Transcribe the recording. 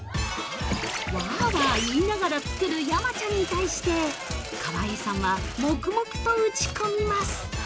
◆わあわあ言いながら作る山ちゃんに対して川栄さんは、黙々と撃ち込みます。